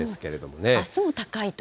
あすも高いと。